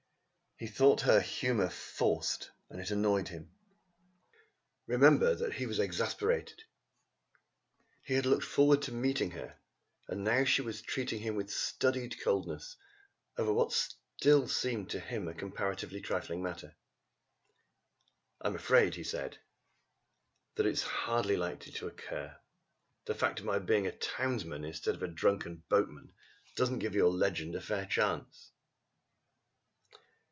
He thought her humour forced and it annoyed him. Remember that he was exasperated. He had looked forward to meeting her, and now she was treating him with studied coldness over what still seemed to him a comparatively trifling matter. "I am afraid," he said, "that that is hardly likely to occur. The fact of my being a townsman instead of a drunken boatman doesn't give your legend a fair chance!"